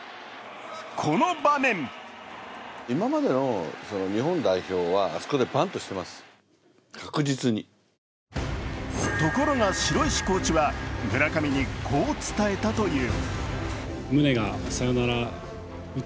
この場面ところが城石コーチは村上にこう伝えたという。